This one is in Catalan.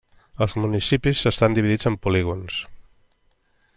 Els municipis estan dividits en Polígons.